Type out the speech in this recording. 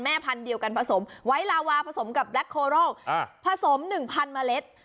แม่พันเดียวกันผสมไว้ลาวาผสมกับแบล็กโคโรลอ่าผสมหนึ่งพันเมล็ด